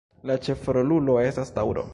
La ĉefrolulo estas taŭro.